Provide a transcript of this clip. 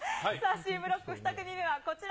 Ｃブロック２組目はこちら。